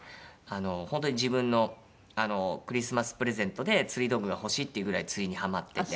本当に自分のクリスマスプレゼントで「釣り道具が欲しい」って言うぐらい釣りにハマってて。